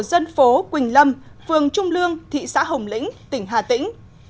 tại nghĩa trang rú nâm tổ dân phố quỳnh lâm phường trung lương thị xã hồng lĩnh tỉnh hà tĩnh